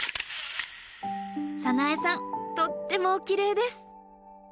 早苗さんとってもおきれいです！